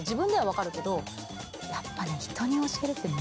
やっぱね。